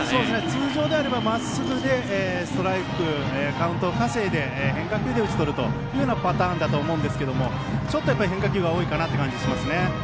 通常であれば、まっすぐでストライク、カウントを稼いで変化球で打ち取るというパターンだと思うんですけどもちょっと変化球が多いかなという感じがしますね。